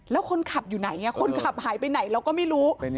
แล้วคนขับหายไปไหนเราก็ไม่รู้